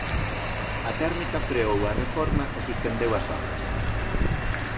A térmica freou a reforma e suspendeu as obras.